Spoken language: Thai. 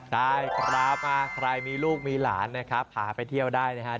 ได้ครับใครมีลูกมีหลานนะครับพาไปเที่ยวได้นะครับ